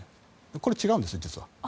これは違うんです、実は。